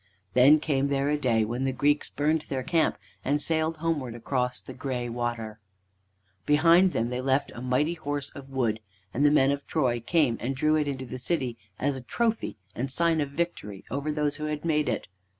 Then came there a day when the Greeks burned their camp and sailed homeward across the gray water. Behind them they left a mighty horse of wood, and the men of Troy came and drew it into the city as trophy and sign of victory over those who had made it.